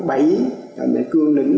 rồi đến cương lĩnh